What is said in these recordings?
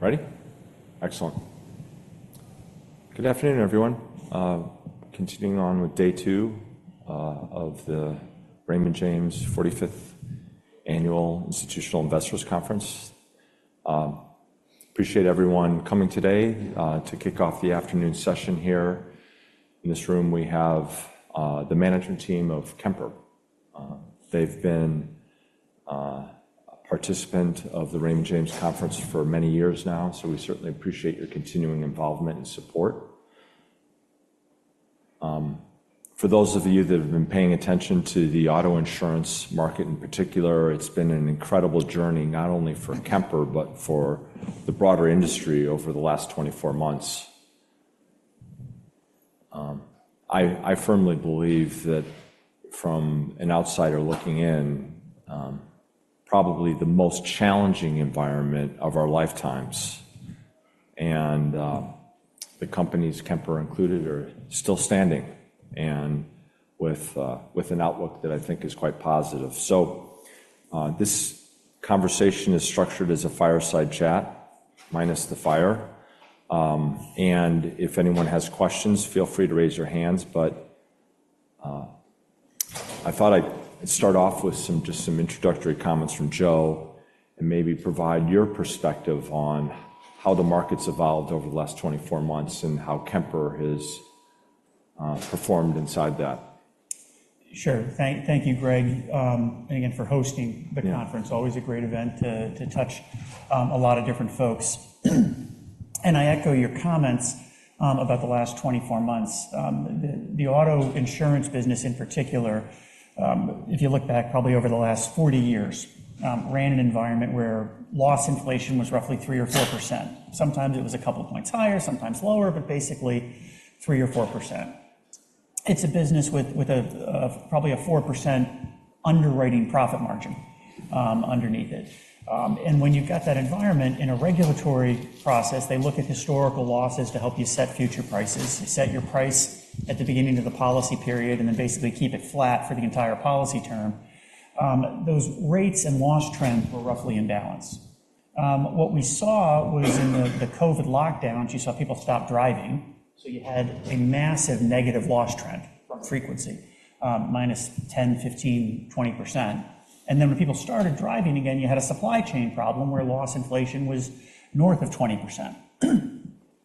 Ready? Excellent. Good afternoon, everyone. Continuing on with day two of the Raymond James 45th Annual Institutional Investors Conference. Appreciate everyone coming today to kick off the afternoon session here. In this room, we have the management team of Kemper. They've been a participant of the Raymond James conference for many years now, so we certainly appreciate your continuing involvement and support. For those of you that have been paying attention to the auto insurance market in particular, it's been an incredible journey, not only for Kemper, but for the broader industry over the last 24-months. I firmly believe that from an outsider looking in, probably the most challenging environment of our lifetimes, and the companies, Kemper included, are still standing and with an outlook that I think is quite positive. So, this conversation is structured as a fireside chat, minus the fire. If anyone has questions, feel free to raise your hands, but I thought I'd start off with some, just some introductory comments from Joe, and maybe provide your perspective on how the market's evolved over the last 24 months, and how Kemper has performed inside that. Sure. Thank you, Greg, again, for hosting the conference. Yeah. Always a great event to touch a lot of different folks. I echo your comments about the last 24 months. The auto insurance business, in particular, if you look back probably over the last 40 years, ran an environment where loss inflation was roughly 3% or 4%. Sometimes it was a couple points higher, sometimes lower, but basically 3% or 4%. It's a business with a probably 4% underwriting profit margin underneath it. And when you've got that environment in a regulatory process, they look at historical losses to help you set future prices. You set your price at the beginning of the policy period, and then basically keep it flat for the entire policy term. Those rates and loss trends were roughly in balance. What we saw was in the COVID lockdown, you saw people stop driving, so you had a massive negative loss trend from frequency, minus 10%, 15%, 20%, and then when people started driving again, you had a supply chain problem where loss inflation was north of 20%.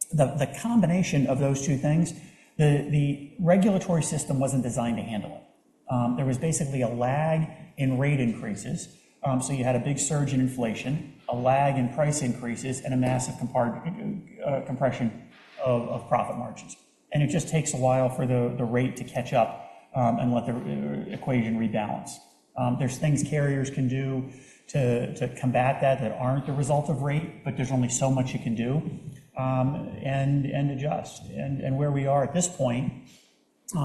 The combination of those two things, the regulatory system wasn't designed to handle it. There was basically a lag in rate increases, so you had a big surge in inflation, a lag in price increases, and a massive compression of profit margins. And it just takes a while for the rate to catch up, and let the equation rebalance. There's things carriers can do to combat that that aren't the result of rate, but there's only so much you can do, and adjust. Where we are at this point,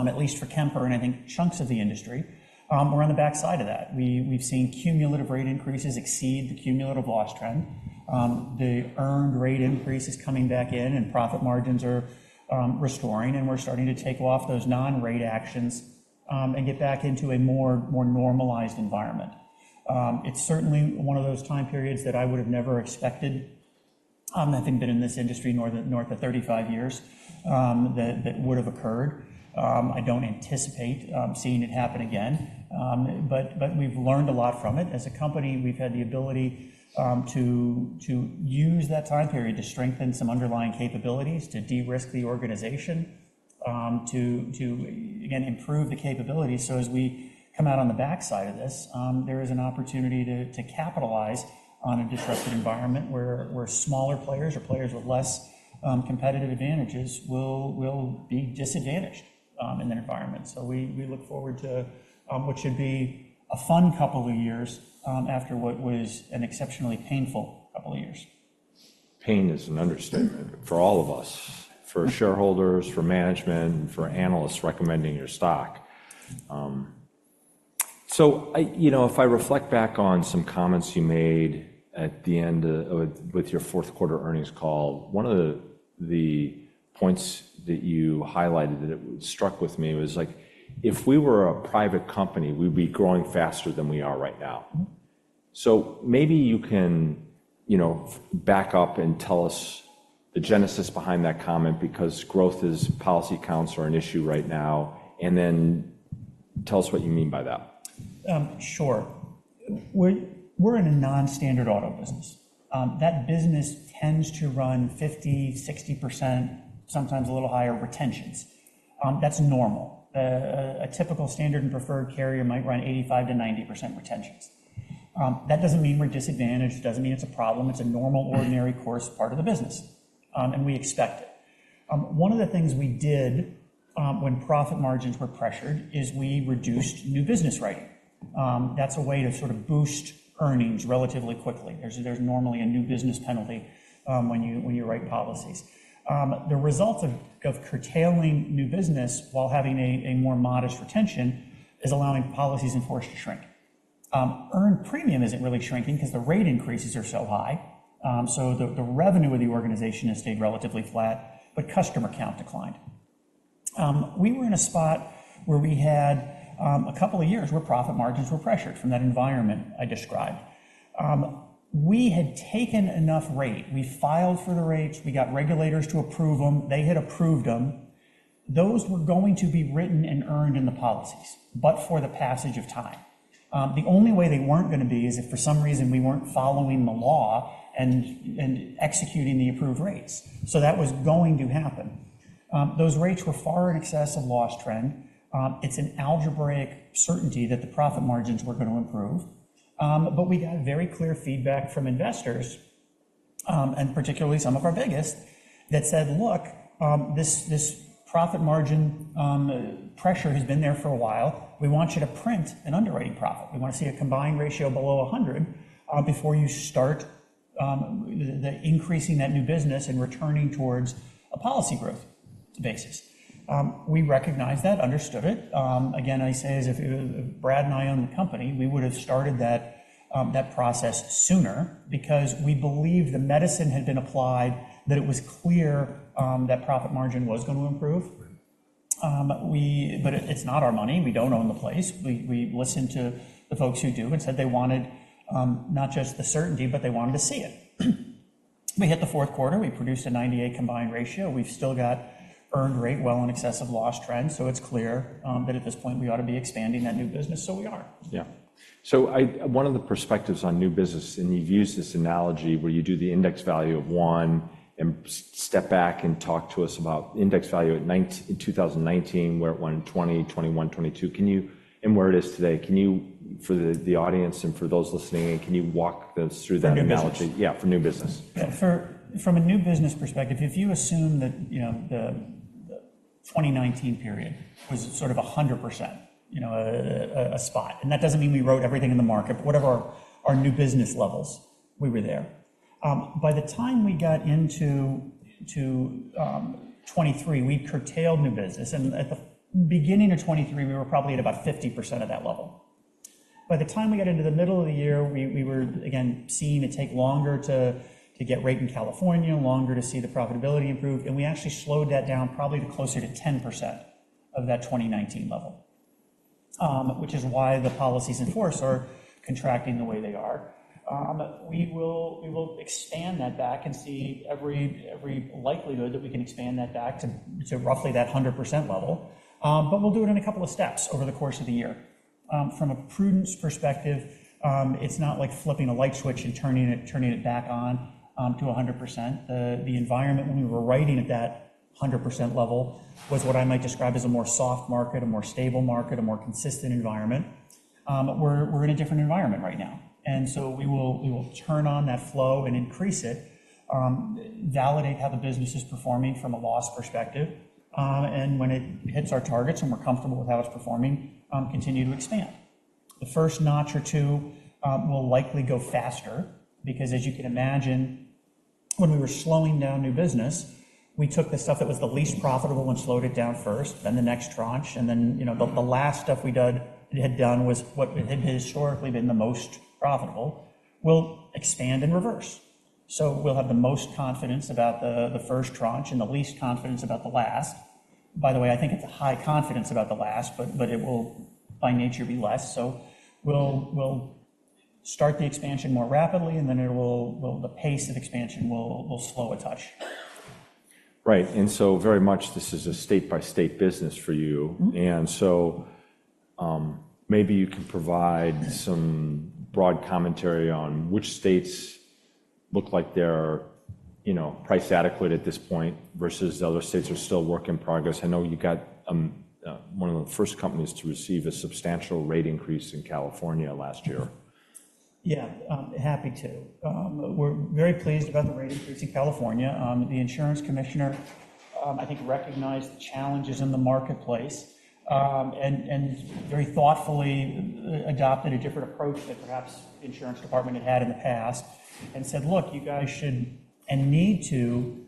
at least for Kemper, and I think chunks of the industry, we're on the backside of that. We've seen cumulative rate increases exceed the cumulative loss trend. The earned rate increase is coming back in, and profit margins are restoring, and we're starting to take off those non-rate actions, and get back into a more normalized environment. It's certainly one of those time periods that I would have never expected, having been in this industry north of 35 years, that would have occurred. I don't anticipate seeing it happen again, but we've learned a lot from it. As a company, we've had the ability to use that time period to strengthen some underlying capabilities, to de-risk the organization, to again improve the capabilities. So as we come out on the backside of this, there is an opportunity to capitalize on a disrupted environment where smaller players or players with less competitive advantages will be disadvantaged in that environment. So we look forward to what should be a fun couple of years after what was an exceptionally painful couple of years. Pain is an understatement for all of us, for shareholders, for management, and for analysts recommending your stock. You know, if I reflect back on some comments you made at the end of, with your fourth quarter earnings call, one of the points that you highlighted that it struck with me was, like: If we were a private company, we'd be growing faster than we are right now. So maybe you can, you know, back up and tell us the genesis behind that comment, because growth is, policy counts are an issue right now, and then tell us what you mean by that. Sure. We're in a non-standard auto business. That business tends to run 50%, 60%, sometimes a little higher, retentions. That's normal. A typical standard and preferred carrier might run 85%-90% retentions. That doesn't mean we're disadvantaged, doesn't mean it's a problem. It's a normal, ordinary course part of the business, and we expect it. One of the things we did, when profit margins were pressured is we reduced new business writing. That's a way to sort of boost earnings relatively quickly. There's normally a new business penalty, when you write policies. The result of curtailing new business while having a more modest retention is allowing policies in force to shrink. Earned premium isn't really shrinking because the rate increases are so high, so the revenue of the organization has stayed relatively flat, but customer count declined. We were in a spot where we had a couple of years where profit margins were pressured from that environment I described. We had taken enough rate. We filed for the rates, we got regulators to approve them, they had approved them. Those were going to be written and earned in the policies, but for the passage of time. The only way they weren't gonna be is if for some reason we weren't following the law and executing the approved rates. So that was going to happen. Those rates were far in excess of loss trend. It's an algebraic certainty that the profit margins were gonna improve. But we got very clear feedback from investors, and particularly some of our biggest, that said: "Look, this, this profit margin, pressure has been there for a while. We want you to print an underwriting profit. We want to see a combined ratio below 100, before you start, the increasing that new business and returning towards a policy growth basis." We recognized that, understood it. Again, I say as if Brad and I owned the company, we would have started that, that process sooner because we believed the medicine had been applied, that it was clear, that profit margin was going to improve. Right. But it’s not our money. We don’t own the place. We listened to the folks who do and said they wanted not just the certainty, but they wanted to see it. We hit the fourth quarter. We produced a 98 combined ratio. We’ve still got earned rate well in excess of loss trend, so it’s clear that at this point we ought to be expanding that new business, so we are. Yeah. So one of the perspectives on new business, and you've used this analogy where you do the index value of one, and step back and talk to us about index value at nine in 2019, where it went in 2020, 2021, 2022. Can you and where it is today, can you, for the, the audience and for those listening in, can you walk us through that analogy? For new business? Yeah, for new business. Yeah, from a new business perspective, if you assume that, you know, the 2019 period was sort of a 100%, you know, a spot, and that doesn't mean we wrote everything in the market, but what of our new business levels, we were there. By the time we got into 2023, we'd curtailed new business, and at the beginning of 2023, we were probably at about 50% of that level. By the time we got into the middle of the year, we were again seeing it take longer to get rate in California, longer to see the profitability improve, and we actually slowed that down probably to closer to 10% of that 2019 level, which is why the policies in force are contracting the way they are. We will expand that back and see every likelihood that we can expand that back to roughly that 100% level. But we'll do it in a couple of steps over the course of the year. From a prudence perspective, it's not like flipping a light switch and turning it back on to a 100%. The environment when we were writing at that 100% level was what I might describe as a more soft market, a more stable market, a more consistent environment. We're in a different environment right now, and so we will turn on that flow and increase it, validate how the business is performing from a loss perspective, and when it hits our targets and we're comfortable with how it's performing, continue to expand. The first notch or two will likely go faster because as you can imagine, when we were slowing down new business, we took the stuff that was the least profitable and slowed it down first, then the next tranche, and then, you know, the last stuff we had done was what had historically been the most profitable. We'll expand in reverse. So we'll have the most confidence about the first tranche and the least confidence about the last. By the way, I think it's a high confidence about the last, but it will by nature be less. So we'll start the expansion more rapidly, and then it will, the pace of expansion, will slow a touch. Right. And so very much this is a state-by-state business for you. And so, maybe you can provide some broad commentary on which states look like they're, you know, price adequate at this point versus the other states are still work in progress. I know you got, one of the first companies to receive a substantial rate increase in California last year. Yeah, I'm happy to. We're very pleased about the rate increase in California. The insurance commissioner, I think, recognized the challenges in the marketplace, and very thoughtfully adopted a different approach than perhaps the insurance department had had in the past and said: "Look, you guys should and need to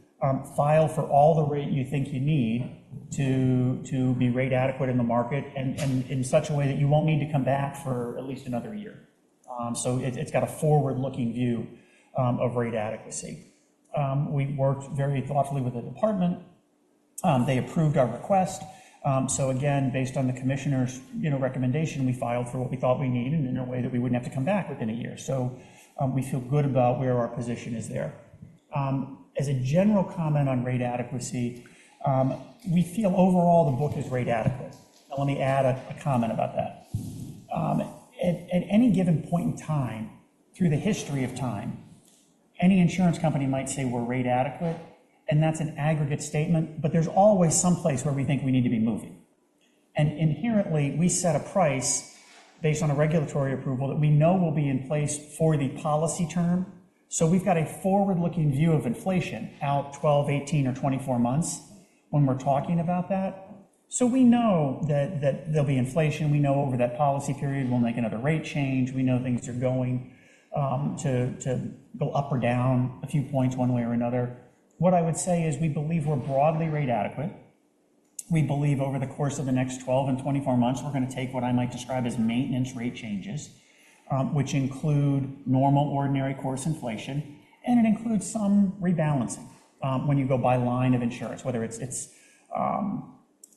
file for all the rate you think you need to, to be rate adequate in the market and in such a way that you won't need to come back for at least another year." So it's got a forward-looking view of rate adequacy. We worked very thoughtfully with the department. They approved our request. So again, based on the commissioner's, you know, recommendation, we filed for what we thought we needed and in a way that we wouldn't have to come back within a year. So, we feel good about where our position is there. As a general comment on rate adequacy, we feel overall the book is rate adequate. Now, let me add a comment about that. At any given point in time, through the history of time, any insurance company might say we're rate adequate, and that's an aggregate statement, but there's always some place where we think we need to be moving. And inherently, we set a price based on a regulatory approval that we know will be in place for the policy term. So we've got a forward-looking view of inflation out 12, 18, or 24 months when we're talking about that. So we know that there'll be inflation. We know over that policy term, we'll make another rate change. We know things are going to go up or down a few points one way or another. What I would say is we believe we're broadly rate adequate. We believe over the course of the next 12 and 24 months, we're gonna take what I might describe as maintenance rate changes, which include normal, ordinary course inflation, and it includes some rebalancing, when you go by line of insurance, whether it's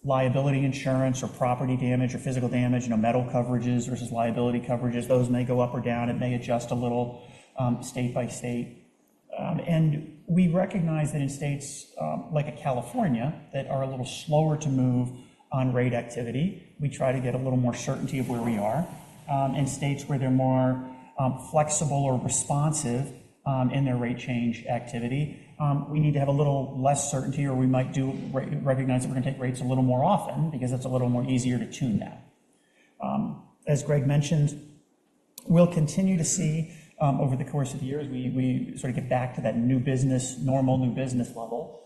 liability insurance or property damage or physical damage, you know, metal coverages versus liability coverages, those may go up or down. It may adjust a little, state by state. And we recognize that in states like California, that are a little slower to move on rate activity, we try to get a little more certainty of where we are. In states where they're more flexible or responsive in their rate change activity, we need to have a little less certainty, or we might do recognize that we're gonna take rates a little more often because it's a little more easier to tune that. As Greg mentioned, we'll continue to see over the course of the year as we sort of get back to that new business, normal new business level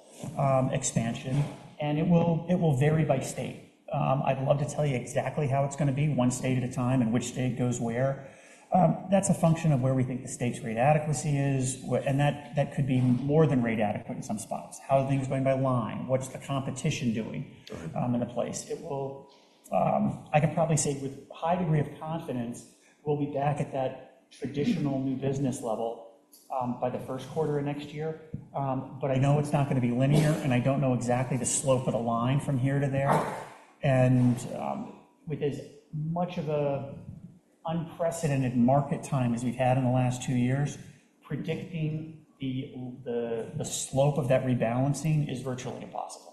expansion, and it will vary by state. I'd love to tell you exactly how it's gonna be one state at a time and which state goes where. That's a function of where we think the state's rate adequacy is, and that could be more than rate adequate in some spots. How are things going by line? What's the competition doing? It will. I can probably say with a high degree of confidence, we'll be back at that traditional new business level by the first quarter of next year. But I know it's not gonna be linear, and I don't know exactly the slope of the line from here to there. And with as much of a unprecedented market time as we've had in the last two years, predicting the slope of that rebalancing is virtually impossible.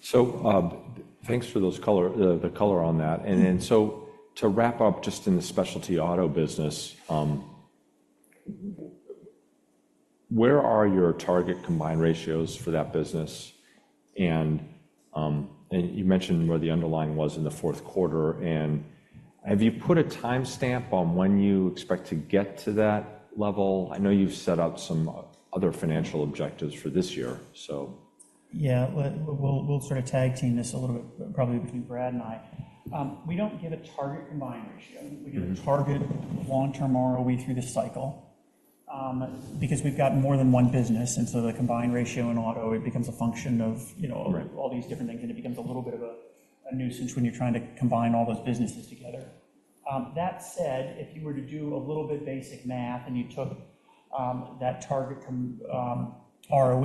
So, thanks for those color, the color on that. And then, to wrap up just in the specialty auto business, where are your target combined ratios for that business? And you mentioned where the underlying was in the fourth quarter, and have you put a timestamp on when you expect to get to that level? I know you've set up some other financial objectives for this year, so. Yeah. We'll sort of tag team this a little bit, probably between Brad and I. We don't give a target Combined Ratio.We give a target long-term ROE through the cycle, because we've got more than one business, and so the Combined Ratio in auto, it becomes a function of, you know- Right... all these different things, and it becomes a little bit of a, a nuisance when you're trying to combine all those businesses together. That said, if you were to do a little bit basic math, and you took that target from ROE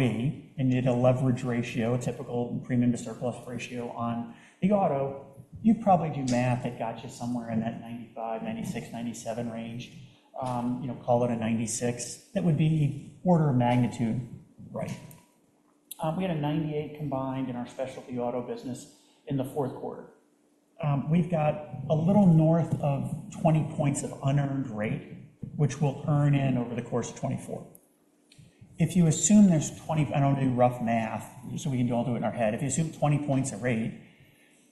and did a leverage ratio, a typical premium to surplus ratio on the auto, you'd probably do math that got you somewhere in that 95-97 range. You know, call it a 96. That would be order of magnitude. Right. We had a 98 combined in our specialty auto business in the fourth quarter. We've got a little north of 20 points of unearned rate, which we'll earn in over the course of 2024. If you assume there's 20... and I'll do rough math, so we can all do it in our head. If you assume 20 points of rate,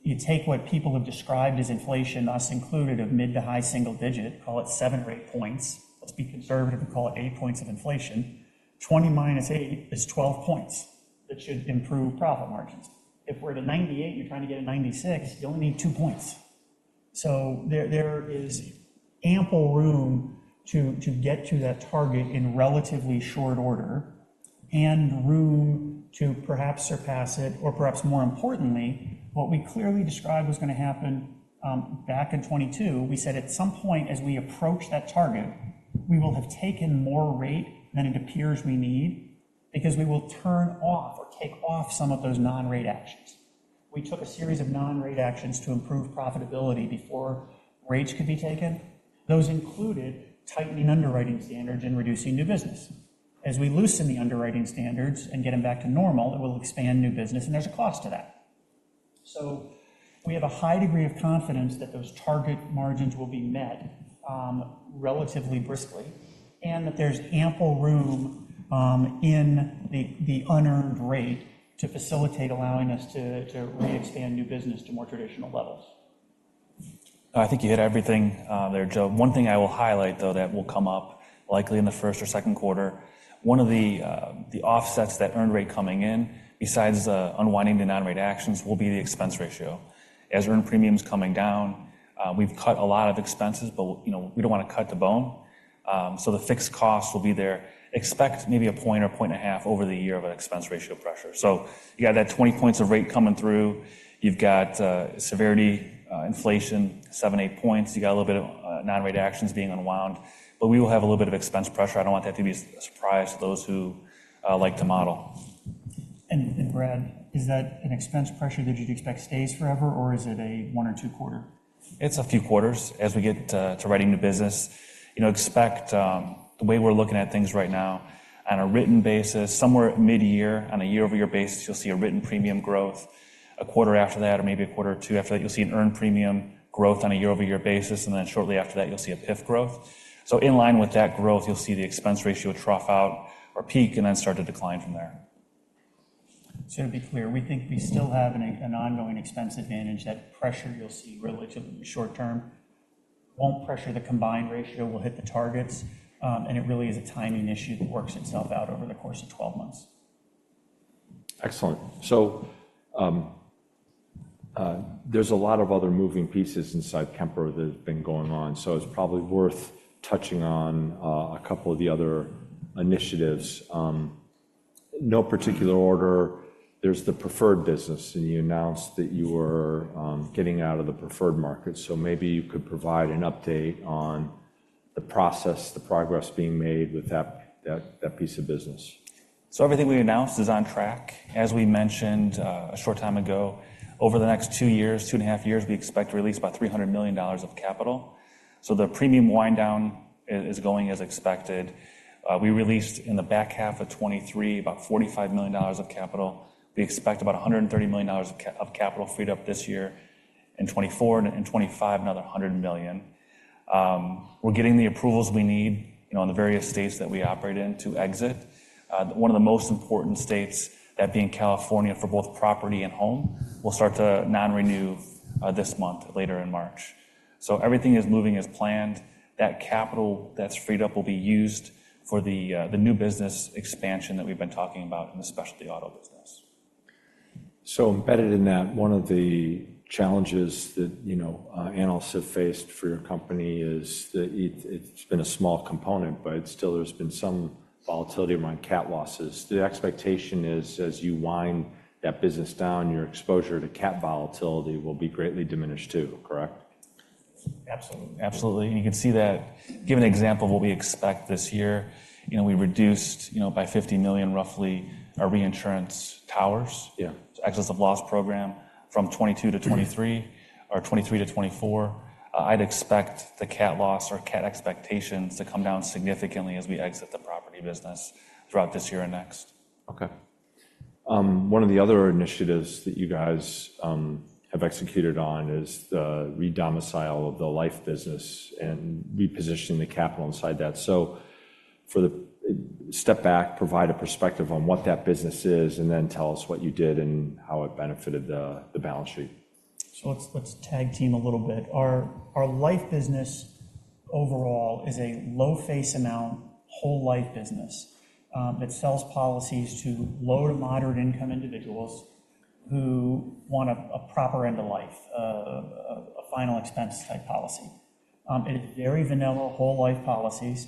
you take what people have described as inflation, us included, of mid to high single digit, call it seven or eight points. Let's be conservative and call it eight points of inflation. 20-8 is 12 points that should improve profit margins. If we're at a 98, you're trying to get a 96, you only need 2 points. So there is ample room to get to that target in relatively short order and room to perhaps surpass it, or perhaps more importantly, what we clearly described was gonna happen back in 2022. We said at some point as we approach that target, we will have taken more rate than it appears we need because we will turn off or take off some of those non-rate actions. We took a series of non-rate actions to improve profitability before rates could be taken. Those included tightening underwriting standards and reducing new business. As we loosen the underwriting standards and get them back to normal, it will expand new business, and there's a cost to that. So we have a high degree of confidence that those target margins will be met relatively briskly, and that there's ample room in the unearned rate to facilitate allowing us to re-expand new business to more traditional levels. I think you hit everything, there, Joe. One thing I will highlight, though, that will come up likely in the first or second quarter, one of the, the offsets that earned rate coming in, besides the unwinding the non-rate actions, will be the expense ratio. As earned premium's coming down, we've cut a lot of expenses, but, you know, we don't wanna cut to the bone. So the fixed cost will be there. Expect maybe one point or 1.5 points over the year of an expense ratio pressure. So you got that 20 points of rate coming through. You've got, severity, inflation, seven to eight points. You got a little bit of, non-rate actions being unwound, but we will have a little bit of expense pressure. I don't want that to be a surprise to those who, like to model. Brad, is that an expense pressure that you'd expect stays forever, or is it a one or two quarter? It's a few quarters as we get to writing the business. You know, expect the way we're looking at things right now, on a written basis, somewhere midyear, on a year-over-year basis, you'll see a written premium growth. A quarter after that, or maybe a quarter or two after that, you'll see an earned premium growth on a year-over-year basis, and then shortly after that, you'll see a PIF growth. So in line with that growth, you'll see the expense ratio trough out or peak and then start to decline from there. So to be clear, we think we still have an ongoing expense advantage. That pressure you'll see relatively short term, won't pressure the combined ratio, we'll hit the targets, and it really is a timing issue that works itself out over the course of 12 months. Excellent. So, there's a lot of other moving pieces inside Kemper that have been going on, so it's probably worth touching on a couple of the other initiatives, no particular order, there's the preferred business, and you announced that you were getting out of the preferred market. So maybe you could provide an update on the process, the progress being made with that piece of business? Everything we announced is on track. As we mentioned a short time ago, over the next two years, two and a half years, we expect to release about $300 million of capital. The premium wind down is going as expected. We released in the back half of 2023, about $45 million of capital. We expect about $130 million of capital freed up this year, in 2024 and in 2025, another $100 million. We're getting the approvals we need, you know, in the various states that we operate in to exit. One of the most important states, that being California, for both property and home, will start to non-renew this month, later in March. Everything is moving as planned. That capital that's freed up will be used for the, the new business expansion that we've been talking about, and specialty auto business. So embedded in that, one of the challenges that, you know, analysts have faced for your company is that it, it's been a small component, but still, there's been some volatility among cat losses. The expectation is, as you wind that business down, your exposure to cat volatility will be greatly diminished, too. Correct? Absolutely. Absolutely, and you can see that-- Give an example of what we expect this year. You know, we reduced, you know, by $50 million, roughly, our reinsurance towers- Yeah. excess of loss program from 2022-2023 or 2023-2024. I'd expect the cat loss or cat expectations to come down significantly as we exit the property business throughout this year and next. Okay. One of the other initiatives that you guys have executed on is the re-domicile of the life business and repositioning the capital inside that. So step back, provide a perspective on what that business is, and then tell us what you did and how it benefited the balance sheet. So let's tag team a little bit. Our life business overall is a low face amount, whole life business that sells policies to low to moderate income individuals who want a proper end of life, a final expense type policy. It is very vanilla whole life policies.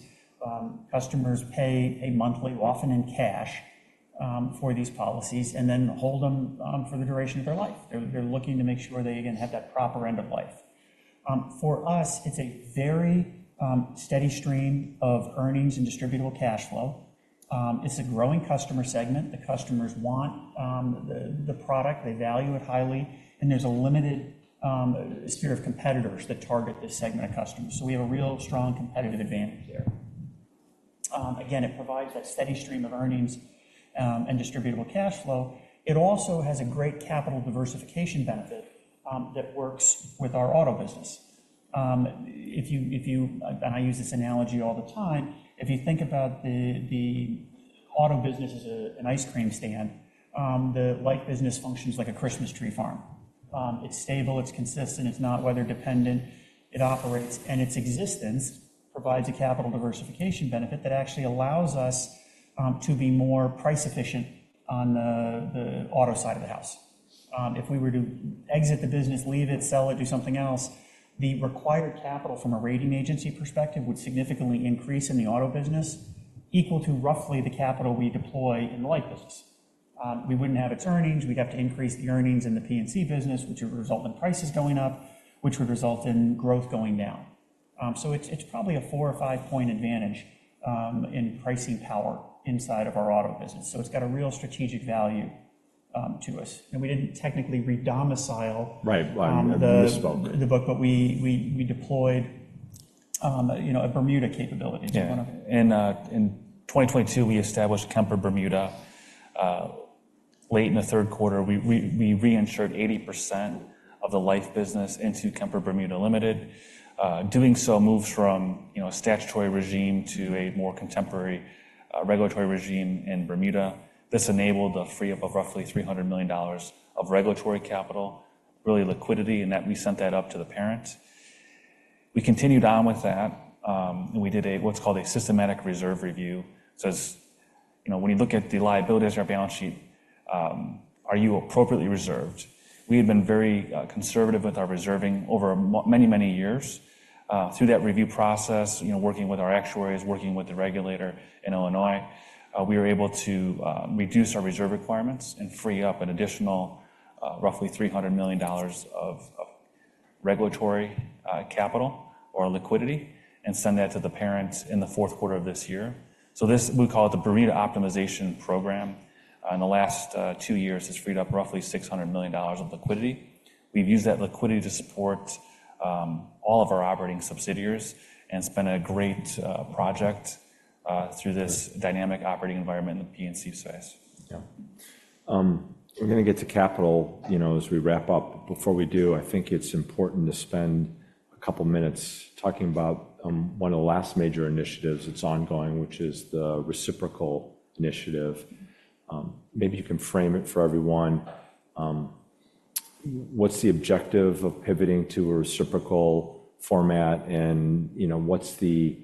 Customers pay a monthly, often in cash, for these policies, and then hold them for the duration of their life. They're looking to make sure they, again, have that proper end of life. For us, it's a very steady stream of earnings and distributable cash flow. It's a growing customer segment. The customers want the product. They value it highly, and there's a limited sphere of competitors that target this segment of customers. So we have a real strong competitive advantage there. Again, it provides that steady stream of earnings, and distributable cash flow. It also has a great capital diversification benefit, that works with our auto business. And I use this analogy all the time. If you think about the auto business as an ice cream stand, the life business functions like a Christmas tree farm. It's stable, it's consistent, it's not weather dependent, it operates, and its existence provides a capital diversification benefit that actually allows us to be more price efficient on the auto side of the house. If we were to exit the business, leave it, sell it, do something else, the required capital from a rating agency perspective would significantly increase in the auto business, equal to roughly the capital we deploy in the life business. We wouldn't have its earnings. We'd have to increase the earnings in the P&C business, which would result in prices going up, which would result in growth going down. So it's probably a four or five point advantage in pricing power inside of our auto business. So it's got a real strategic value to us. And we didn't technically re-domicile- Right. Right. ...the book, but we deployed, you know, a Bermuda capability. Yeah. In 2022, we established Kemper Bermuda. Late in the third quarter, we reinsured 80% of the life business into Kemper Bermuda Limited. Doing so moves from, you know, a statutory regime to a more contemporary regulatory regime in Bermuda. This enabled the free up of roughly $300 million of regulatory capital, really liquidity, and that we sent that up to the parent. We continued on with that, and we did what's called a systematic reserve review. So as, you know, when you look at the liabilities on our balance sheet, are you appropriately reserved? We have been very conservative with our reserving over many, many years. Through that review process, you know, working with our actuaries, working with the regulator in Illinois, we were able to reduce our reserve requirements and free up an additional roughly $300 million of regulatory capital or liquidity, and send that to the parent in the fourth quarter of this year. So this, we call it the Bermuda Optimization Program. In the last two years, it's freed up roughly $600 million of liquidity. We've used that liquidity to support all of our operating subsidiaries and it's been a great project through this dynamic operating environment in the P&C space. Yeah. We're gonna get to capital, you know, as we wrap up. Before we do, I think it's important to spend a couple minutes talking about one of the last major initiatives that's ongoing, which is the reciprocal initiative. Maybe you can frame it for everyone. What's the objective of pivoting to a reciprocal format and, you know, what's the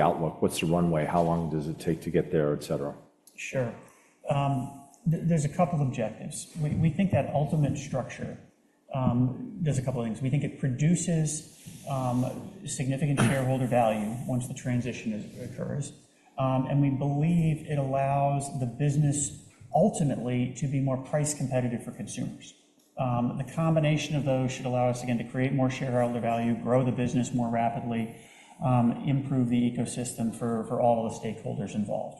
outlook? What's the runway? How long does it take to get there, etc? Sure. There's a couple objectives. We think that ultimate structure. There's a couple of things. We think it produces significant shareholder value once the transition occurs. And we believe it allows the business ultimately to be more price competitive for consumers. The combination of those should allow us, again, to create more shareholder value, grow the business more rapidly, improve the ecosystem for all the stakeholders involved.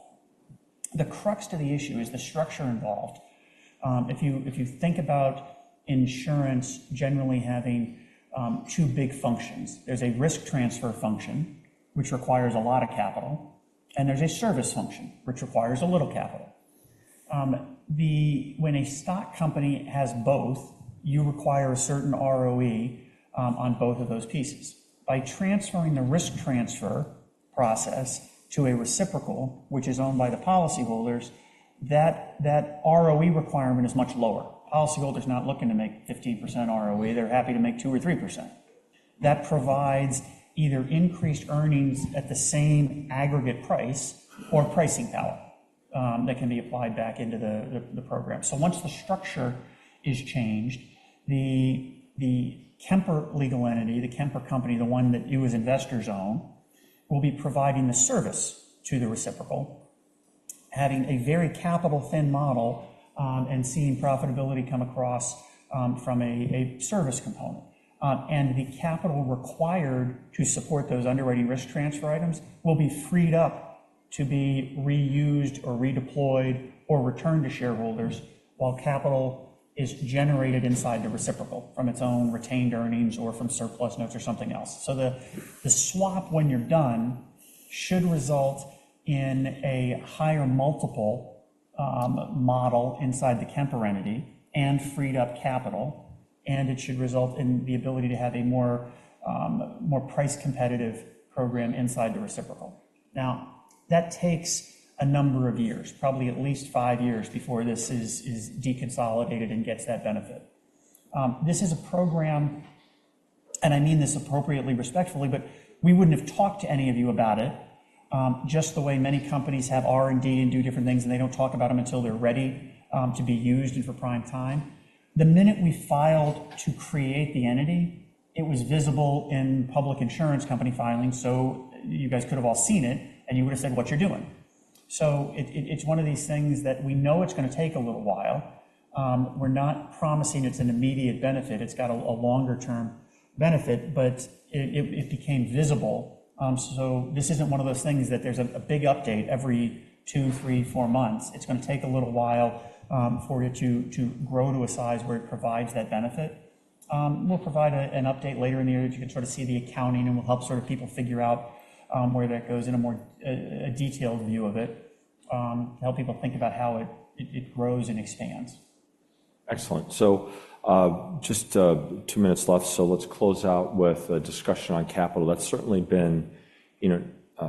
The crux to the issue is the structure involved. If you think about insurance generally having two big functions. There's a risk transfer function, which requires a lot of capital, and there's a service function, which requires a little capital. When a stock company has both, you require a certain ROE on both of those pieces. By transferring the risk transfer process to a reciprocal, which is owned by the policyholders, that ROE requirement is much lower. Policyholder's not looking to make 15% ROE. They're happy to make 2% or 3%. That provides either increased earnings at the same aggregate price or pricing power that can be applied back into the program. So once the structure is changed, the Kemper legal entity, the Kemper company, the one that you as investors own, will be providing the service to the reciprocal, having a very capital-thin model, and seeing profitability come across from a service component. And the capital required to support those underwriting risk transfer items will be freed up to be reused or redeployed or returned to shareholders while capital is generated inside the reciprocal from its own retained earnings or from surplus notes or something else. So the swap, when you're done, should result in a higher multiple model inside the Kemper entity and freed up capital, and it should result in the ability to have a more, more price competitive program inside the reciprocal. Now, that takes a number of years, probably at least five years before this is deconsolidated and gets that benefit. This is a program, and I mean this appropriately, respectfully, but we wouldn't have talked to any of you about it, just the way many companies have R&D and do different things, and they don't talk about them until they're ready to be used and for prime time. The minute we filed to create the entity, it was visible in public insurance company filings, so you guys could have all seen it, and you would've said, "What you're doing?" So it's one of these things that we know it's gonna take a little while. We're not promising it's an immediate benefit. It's got a longer-term benefit, but it became visible. So this isn't one of those things that there's a big update every two, three, four months. It's gonna take a little while for it to grow to a size where it provides that benefit. We'll provide an update later in the year. You can try to see the accounting, and we'll help sort of people figure out where that goes in a more detailed view of it to help people think about how it grows and expands. Excellent. So, just, two minutes left, so let's close out with a discussion on capital. That's certainly been, you know,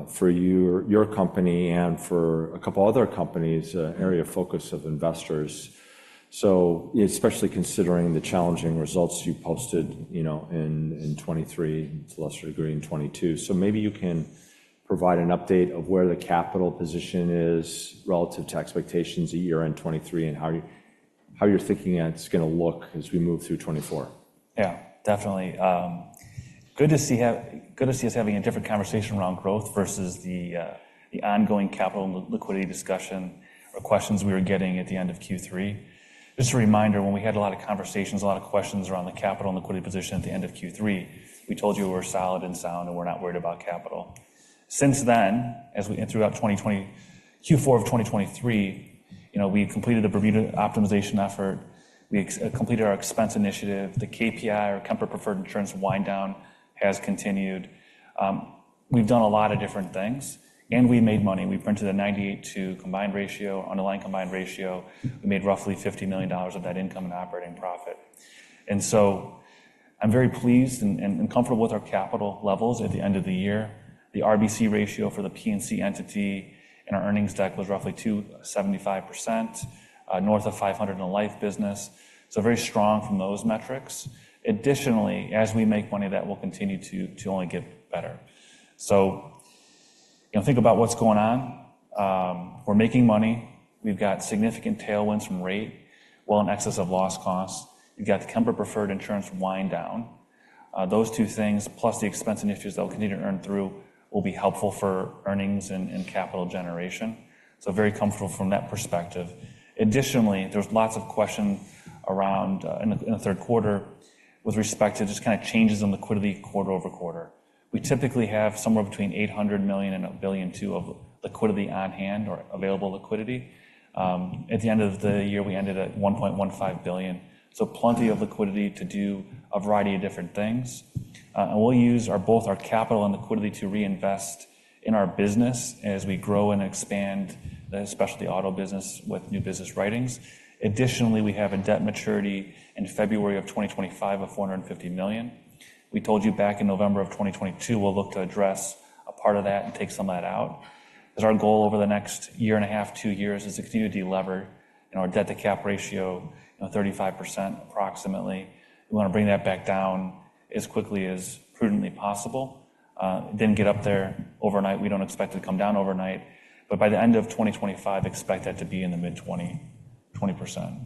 for you, your company and for a couple other companies, an area of focus of investors. So especially considering the challenging results you posted, you know, in 2023, to a lesser degree in 2022. So maybe you can provide an update of where the capital position is relative to expectations at year-end 2023 and how you, how you're thinking that's gonna look as we move through 2024? Yeah, definitely. Good to see us having a different conversation around growth versus the ongoing capital and liquidity discussion or questions we were getting at the end of Q3. Just a reminder, when we had a lot of conversations, a lot of questions around the capital and liquidity position at the end of Q3, we told you we were solid and sound, and we're not worried about capital. Since then, and throughout Q4 of 2023, you know, we completed a Bermuda optimization effort. We completed our expense initiative. The KPI or Kemper Preferred Insurance wind down has continued. We've done a lot of different things, and we made money. We printed a 98 Combined Ratio, underlying Combined Ratio. We made roughly $50 million of that income in operating profit. And so I'm very pleased and comfortable with our capital levels at the end of the year. The RBC ratio for the P&C entity in our earnings deck was roughly 275%, north of 500 in the life business, so very strong from those metrics. Additionally, as we make money, that will continue to only get better. So, you know, think about what's going on. We're making money. We've got significant tailwinds from rate well in excess of loss costs. We've got the Kemper Preferred Insurance wind down. Those two things, plus the expense initiatives that we continue to earn through, will be helpful for earnings and capital generation, so very comfortable from that perspective. Additionally, there's lots of question around in the third quarter with respect to just kinda changes in liquidity quarter-over-quarter. We typically have somewhere between $800 million and $1.2 billion of liquidity on hand or available liquidity. At the end of the year, we ended at $1.15 billion, so plenty of liquidity to do a variety of different things. And we'll use our both our capital and liquidity to reinvest in our business as we grow and expand, the specialty auto business with new business writings. Additionally, we have a debt maturity in February of 2025 of $450 million. We told you back in November of 2022, we'll look to address a part of that and take some of that out. As our goal over the next year and a half, two years, is to continue to delever in our debt-to-cap ratio, you know, 35% approximately. We wanna bring that back down as quickly as prudently possible. Didn't get up there overnight. We don't expect it to come down overnight, but by the end of 2025, expect that to be in the mid-20, 20%.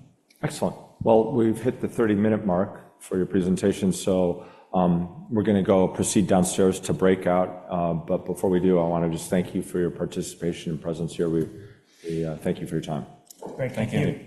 Excellent. Well, we've hit the 30-minute mark for your presentation, so we're gonna go proceed downstairs to breakout. But before we do, I wanna just thank you for your participation and presence here. We thank you for your time. Thank you. Thank you.